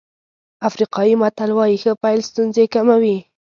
افریقایي متل وایي ښه پيل ستونزې کموي.